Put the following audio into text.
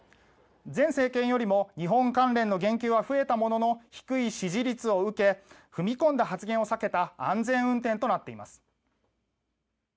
前政権よりも日本関連の言及は増えたものの低い支持率を受け踏み込んだ発言を避けた安全運転となっています。